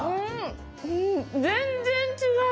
全然違う！